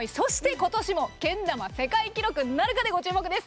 今年もけん玉世界記録なるかでご注目です。